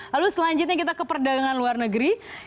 lalu selanjutnya kita ke perdagangan luar negeri